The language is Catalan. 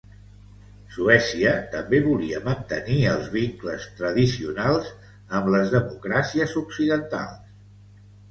Suècia també volia mantenir els vincles tradicionals amb les democràcies occidentals.